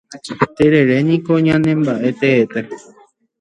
Terere niko ñanembaʼe teete.